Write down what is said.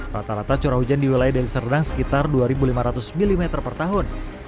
rata rata curah hujan di wilayah deli serdang sekitar dua lima ratus mm per tahun